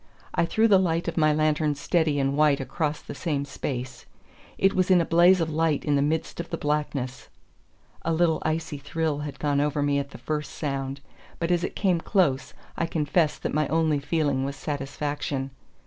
I threw the light of my lantern steady and white across the same space. It was in a blaze of light in the midst of the blackness. A little icy thrill had gone over me at the first sound, but as it came close, I confess that my only feeling was satisfaction.